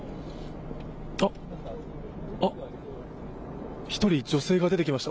あっ、１人、女性が出てきました、